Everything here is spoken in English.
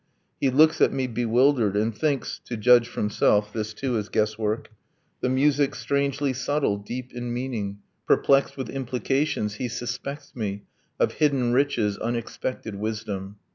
. He looks at me bewildered And thinks (to judge from self this too is guesswork) The music strangely subtle, deep in meaning, Perplexed with implications; he suspects me Of hidden riches, unexpected wisdom.